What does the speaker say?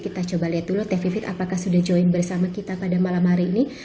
kita coba lihat dulu teh vivit apakah sudah join bersama kita pada malam hari ini